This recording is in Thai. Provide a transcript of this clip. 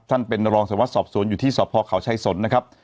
ท่านเป็นรองสวัสดิสอบสวนอยู่ที่สพเขาชายสนนะครับ